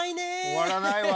終わらないわ。